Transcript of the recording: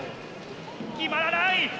決まらない！